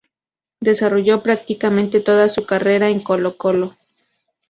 Desarrolló prácticamente toda su carrera en Colo-Colo.